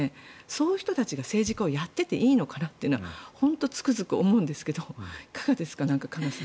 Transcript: そういう人たちが政治家をやっていていいのかなというのはつくづく思うんですがどうですか。